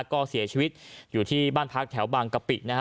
ก็เสียชีวิตอยู่ที่บ้านพักแถวบางกะปินะฮะ